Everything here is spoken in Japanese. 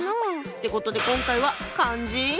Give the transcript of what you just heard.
ってことで今回は「漢字」。